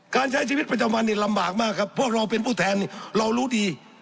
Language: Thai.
การใช้ชีวิตประจำวันเนี่ยลำบากมากครับพวกเราเป็นผู้แทนเรารู้ดี